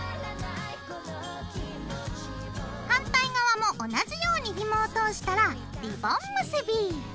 反対側も同じようにひもを通したらリボン結び。